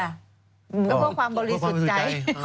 เพื่อความบริสุทธิ์ใจ